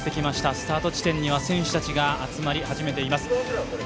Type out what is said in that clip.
スタート地点には選手たちが集まり始めています。